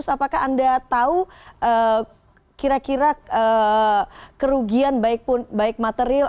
apakah anda tahu kira kira kerugian baik material